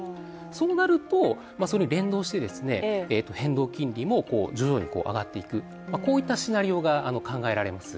そうなると、連動して変動金利も徐々に上がっていく、こういったシナリオが考えられます。